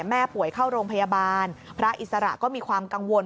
แม่ป่วยเข้าโรงพยาบาลพระอิสระก็มีความกังวล